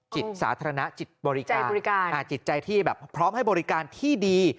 จิตสาธารณะจิตปฏิการจิตใจที่พร้อมให้บริการที่ดี